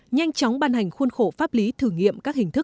nhanh chóng ban hành khuôn khổ pháp lý thử nghiệm